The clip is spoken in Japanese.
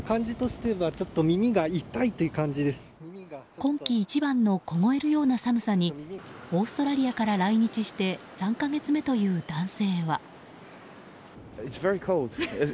今季一番の凍えるような寒さにオーストラリアから来日して３か月目という男性は。